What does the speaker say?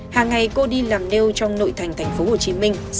hàng ngày cô đi làm neo trong nội thành thành phố hồ chí minh